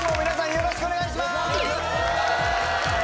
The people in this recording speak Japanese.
よろしくお願いします